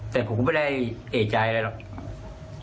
แต่ผมก็ไม่ได้เอกใจอะไรหรอก